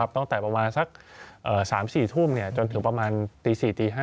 ตั้งแต่ประมาณสัก๓๔ทุ่มจนถึงประมาณตี๔๕